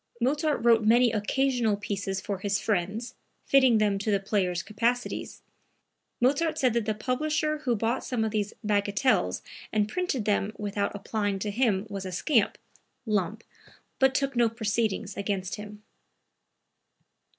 (Mozart wrote many occasional pieces for his friends, fitting them to the players' capacities. Mozart said that the publisher who bought some of these "bagatelles" and printed them without applying to him was a scamp (Lump), but took no proceedings against him.)